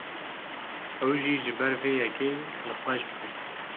Ew jî ji ber vê yekê dilxweş bû.